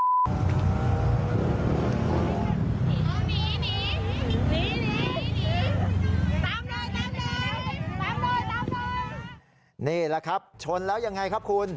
ครับนี่ล่ะครับชนแล้วยังไงครับคุณ